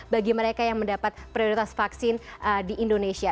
bagi mereka yang mendapat prioritas vaksin di indonesia